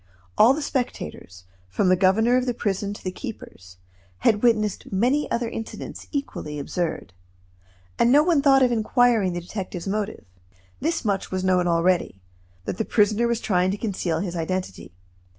All the spectators, from the governor of the prison to the keepers, had witnessed many other incidents equally absurd; and no one thought of inquiring the detective's motive. This much was known already; that the prisoner was trying to conceal his identity.